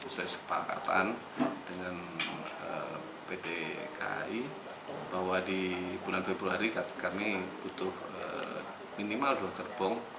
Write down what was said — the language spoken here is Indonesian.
sesuai sepakatan dengan pdki bahwa di bulan februari kami butuh minimal dua gerbong